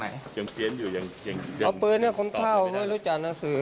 ไม่รู้จักหนังสือรู้ว่าเขาหลอนหรือว่าอะไรแล้วเวลาผมสอบถามแล้วก็ว่า